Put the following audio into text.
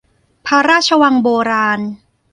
พระราชวังโบราณ